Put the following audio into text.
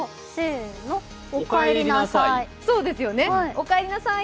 おかえりなさい。